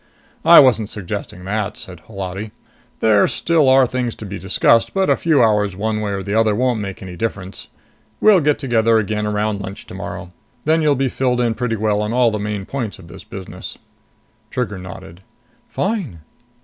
"I wasn't suggesting that," said Holati. "There still are things to be discussed, but a few hours one way or the other won't make any difference. We'll get together again around lunch tomorrow. Then you'll be filled in pretty well on all the main points of this business." Trigger nodded. "Fine."